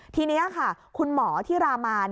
ทีนี้ค่ะคุณหมอที่รามาน